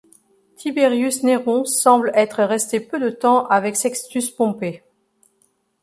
Tiberius Néron semble être resté peu de temps avec Sextus Pompée.